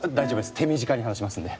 手短に話しますんで。